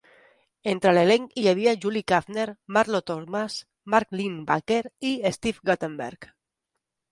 Entre l'elenc hi havia Julie Kavner, Marlo Thomas, Mark Linn-Baker i Steve Guttenberg.